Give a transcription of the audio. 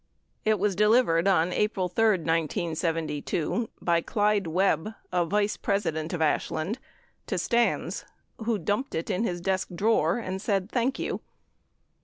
It was delivered on April 3, 1972, by Clyde Webb, a vice president of Ashland, to Stans who "dumped it in his desk drawer" and said "Thank you."